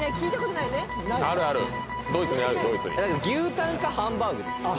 牛タンかハンバーグです。